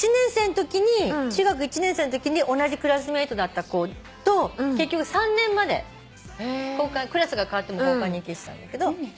中学１年生のときに同じクラスメートだった子と結局３年までクラスが替わっても交換日記してたんだけど。